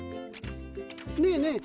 ねえねえ